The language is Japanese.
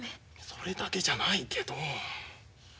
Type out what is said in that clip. それだけじゃないけど。